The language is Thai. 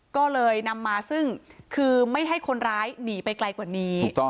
ก็เลยนำมาซึ่งคือไม่ให้คนร้ายหนีไปไกลกว่านี้